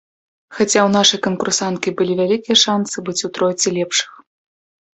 Хаця ў нашай канкурсанткі былі вялікія шанцы быць у тройцы лепшых.